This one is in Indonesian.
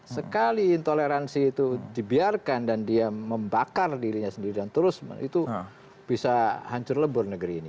sekali intoleransi itu dibiarkan dan dia membakar dirinya sendiri dan terus itu bisa hancur lebur negeri ini